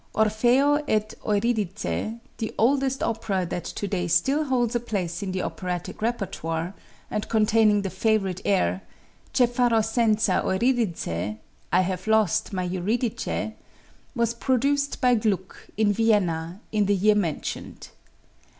"Orfeo et Euridice," the oldest opera that to day still holds a place in the operatic repertoire, and containing the favorite air, "Che faro senza Euridice" (I have lost my Eurydice), was produced by Gluck, in Vienna, in the year mentioned.